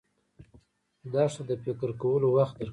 دښته د فکر کولو وخت درکوي.